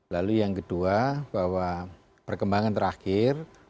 lalu yang kedua bahwa perkembangan terakhir